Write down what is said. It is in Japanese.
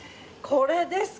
これです。